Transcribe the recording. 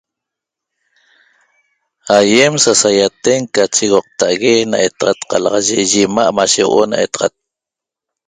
Aiem sasaiaten ca chigoqta'ague na etaxat qalaxaye yi ima' mashe huo'o na etaxat